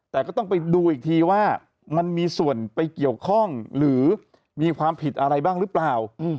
แต่ก็ต้องไปดูอีกทีว่ามันมีส่วนไปเกี่ยวข้องหรือมีความผิดอะไรบ้างหรือเปล่า